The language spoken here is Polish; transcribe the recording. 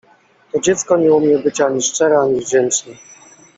To dziecko nie umie być ani szczere, ani wdzięczne.